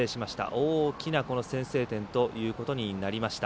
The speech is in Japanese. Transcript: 大きな先制点ということになりました。